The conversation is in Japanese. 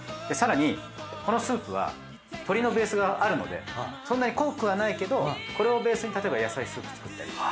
更にこのスープは鶏のベースがあるのでそんなに濃くはないけどこれをベースに例えば野菜スープ作ったり。